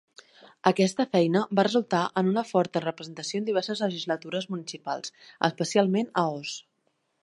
Aquesta feina va resultar en una forta representació en diverses legislatures municipals, especialment a Oss.